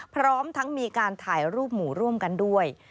พร้อมทั้งมีการถ่ายรูปหมูร่วมกันด้วย